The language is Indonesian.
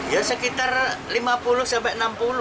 ya sekitar lima puluh sampai enam puluh